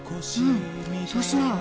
そうしなよ